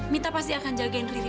mita pasti akan jagain diri